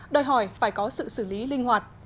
đòi hỏi phải có sự xử lý linh hoạt